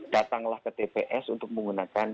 datanglah ke tps untuk menggunakan